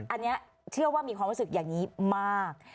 อันนี้เชื่อว่ามีความรู้สึกอย่างนี้มาก